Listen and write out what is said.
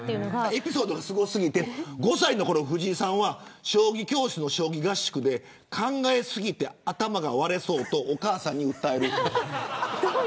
エピソードがすご過ぎて５歳のころ、藤井さんは将棋教室の合宿で考え過ぎて、頭が割れそうとお母さんに訴える。